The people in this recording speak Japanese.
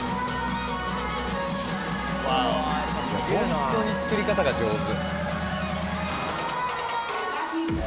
ホントの作り方が上手。